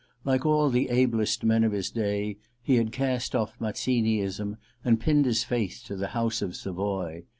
Like all the ablest men of his day, he had cast off Mazziniism and pinned his faith to the house of Savoy.